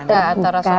antara suami dan istri